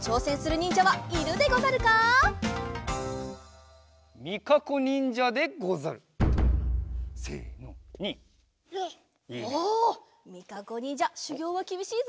ニン！おみかこにんじゃしゅぎょうはきびしいぞ。